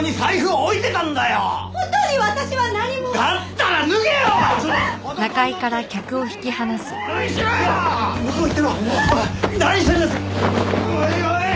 おいおい！